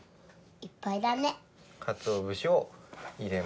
（いっぱいだね。